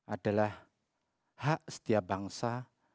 adalah hak setiap bangsa